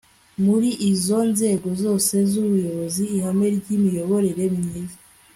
muri izo nzego zose z'ubuyobozi ihame ry'imiyoborere myiza